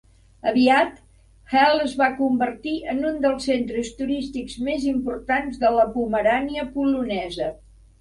Aviat, Hel es va convertir en un dels centres turístics més importants de la Pomerania polonesa.